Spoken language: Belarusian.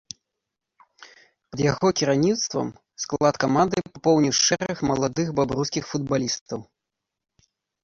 Пад яго кіраўніцтвам склад каманды папоўніў шэраг маладых бабруйскіх футбалістаў.